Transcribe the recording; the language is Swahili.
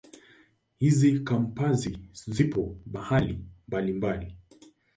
Hizi Kampasi zipo mahali mbalimbali.